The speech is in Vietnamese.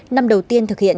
năm đầu tiên thực hiện